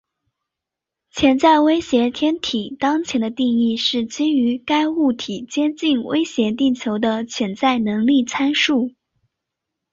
潜在威胁天体当前的定义是基于该物体接近威胁地球的潜在能力参数。